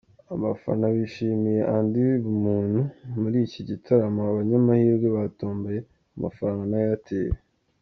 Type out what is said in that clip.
Abafana bishimiye Andy BumuntuMuri iki gitaramo abanyamahirwe batomboye amafaranga na Airtel.